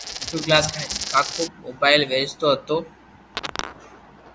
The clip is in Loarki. ڪاڪو موبائل ويچتو ھتو